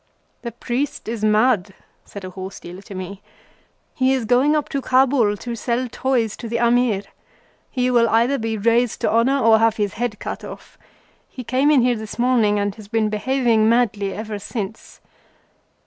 "The priest is mad," said a horse dealer to me. "He is going up to Kabul to sell toys to the Amir. He will either be raised to honor or have his head cut off. He came in here this morning and has been behaving madly ever since."